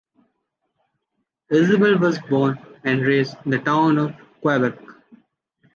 Isabelle was born and raised in the town of Québec.